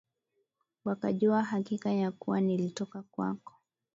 wakajua hakika ya kuwa nalitoka kwako